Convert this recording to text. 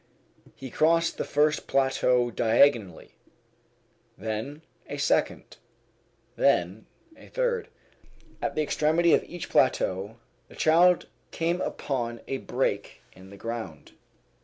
He crossed the first plateau diagonally, then a second, then a third. At the extremity of each plateau the child came upon a break in the ground.